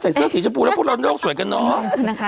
ใส่เสื้อขีดชะปูแล้วพวกเราน่าโลกสวยกันเนอะ